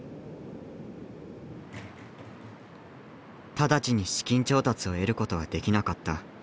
直ちに資金調達を得ることはできなかった。